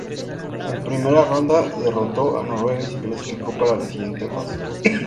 En primera ronda derrotó a Noruega y se clasificó para la siguiente fase.